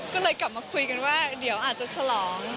ก็เลยกลับมาคุยกันว่าเดี๋ยวอาจจะฉลอง